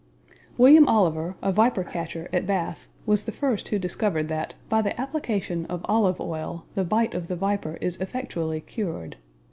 William Oliver, a viper catcher at Bath, was the first who discovered that, by the application of olive oil, the bite of the viper is effectually cured.